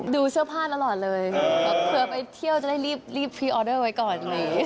ดูเสื้อผ้าตลอดเลยเผื่อไปเที่ยวจะได้รีบพรีออเดอร์ไว้ก่อนอะไรอย่างนี้